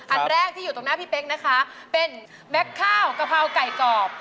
อันแรกที่อยู่ตรงหน้าพี่เป๊กนะคะเป็นแม็กซ์ข้าวกะเพราไก่กรอบ